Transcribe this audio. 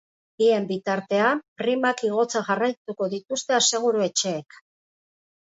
Bien bitartean, primak igotzen jarraituko dituzte aseguru-etxeek.